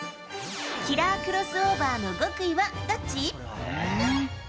キラークロスオーバーの極意はどっち？